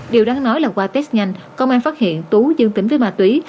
điều đáng nói là qua test nhanh công an phát hiện tú dương tính với ma túy